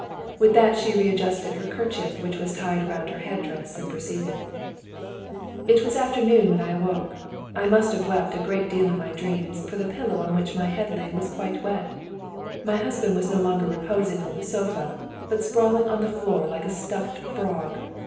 With that she readjusted the kerchief which was tied around her head dress and proceeded: "It was afternoon when I awoke. I must have wept a great deal in my dreams, for the pillow on which my head lay was quite wet. My husband was no longer reposing on the sofa, but sprawling on the floor like a stuffed frog.